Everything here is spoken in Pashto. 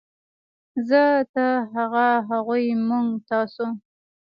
زۀ ، تۀ ، هغه ، هغوی ، موږ ، تاسو